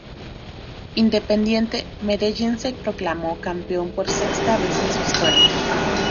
Independiente Medellín se proclamó campeón por sexta vez en su historia.